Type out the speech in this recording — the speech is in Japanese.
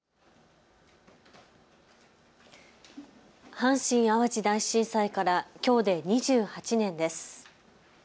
阪神・淡路大震災からきょうで２８年です。